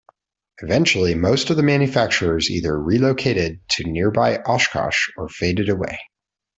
Eventually most of the manufacturers either relocated to nearby Oshkosh, or faded away.